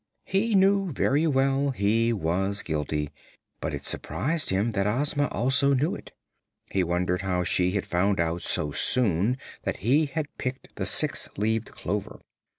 He knew very well he was guilty, but it surprised him that Ozma also knew it. He wondered how she had found out so soon that he had picked the six leaved clover.